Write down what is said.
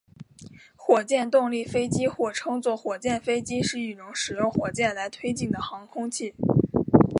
火箭动力飞机或称作火箭飞机是一种使用火箭来推进的航空器。